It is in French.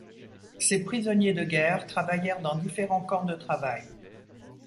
Ces prisonniers de guerre travaillèrent dans différents camps de travail.